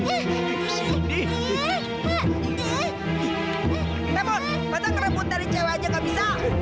eh bos kenapa kerebutan cewek aja nggak bisa